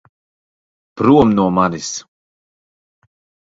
Prom no manis!